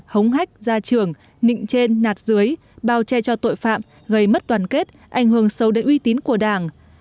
hống hách ra trường nịnh trên nạt dưới bao che cho tội phạm gây mất đoàn kết ảnh hưởng sâu đến uy tín của đảng